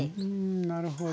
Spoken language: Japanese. なるほど。